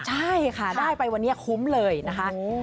ใช่ค่ะได้ไปวันนี้คุ้มเลยนะคะ